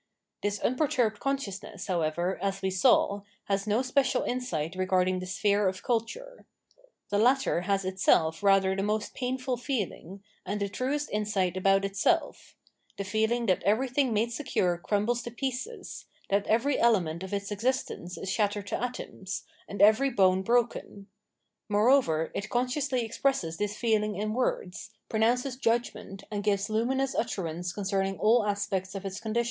This unperturbed consciousness, however, as we saw, has no special insight regarding the sphere of culture. The latter has itself rather the most painful feeling, and the truest insight about itself — the feeling that everything made secure crumbles to pieces, that every element of its existence is shattered to atoms, and every bone broken : moreover, it consciously expresses this feel ing in words, pronounces judgment and gives luminous utterance concerning all aspects of its condition.